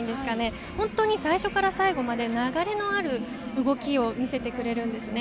本当に最初から最後まで流れのある動きを見せてくれるんです。